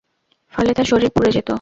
ফলে তার শরীর পুড়ে যেত।